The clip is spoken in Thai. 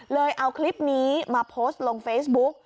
เอาคลิปนี้มาโพสต์ลงเฟซบุ๊ก